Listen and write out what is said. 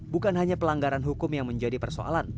bukan hanya pelanggaran hukum yang menjadi persoalan